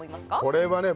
これはね